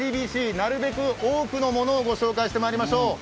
なるべく多くのものを紹介してまいりましょう。